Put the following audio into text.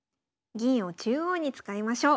銀を中央に使いましょう。